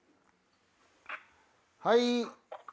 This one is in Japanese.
はい。